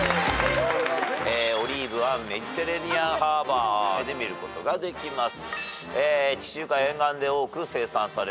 オリーブはメディテレーニアンハーバーで見ることができます。